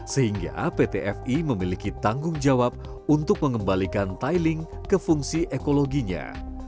sehingga pt fi memiliki tanggung jawab untuk mengembalikan tiling ke fungsi ekologinya